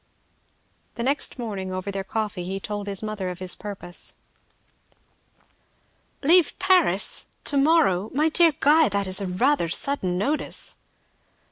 The next morning over their coffee he told his mother of his purpose. "Leave Paris! To morrow! My dear Guy, that is rather a sudden notice."